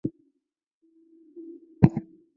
钯常用于烯烃或炔烃发生氢化反应的催化剂。